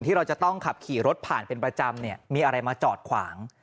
ที่เราจะต้องขับขี่รถผ่านเป็นประจำเนี่ยมีอะไรมาจอดขวาง